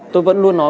tôi vẫn luôn nói